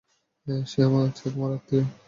সে তোমার আত্মীয়।